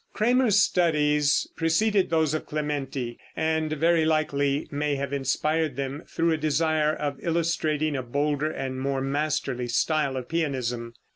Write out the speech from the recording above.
Cramer's studies preceded those of Clementi, and very likely may have inspired them through a desire of illustrating a bolder and more masterly style of pianism.